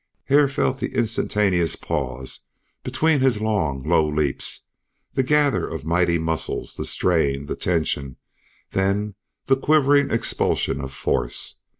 Hare felt the instantaneous pause between his long low leaps, the gather of mighty muscles, the strain, the tension, then the quivering expulsion of force.